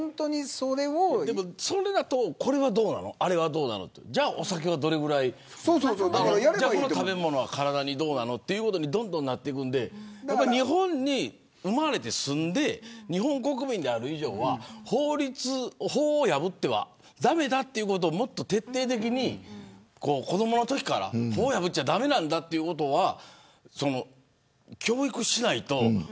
でも、それだとこれはどうなのあれはどうなのじゃあお酒はどれぐらいこの食べ物は体にどうなのとどんどんなっていくので日本に生まれて住んで日本国民である以上は法を破っては駄目だということをもっと徹底的に子どものときから法を破っちゃ駄目なんだということは教育しないと。